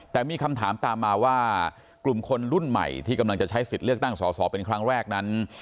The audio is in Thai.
แต่มีคำถามตามมาว่ากลุ่มคนรุ่นใหม่ที่กำลังจะใช้สิทธิ์เลือกตั้งสอสอเป็นครั้งแรกนั้น